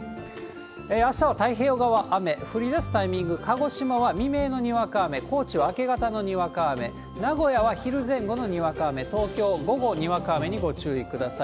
あしたは太平洋側は雨、降りだすタイミング、鹿児島は未明のにわか雨、高知は明け方のにわか雨、名古屋は昼前後のにわか雨、東京、午後にわか雨にご注意ください。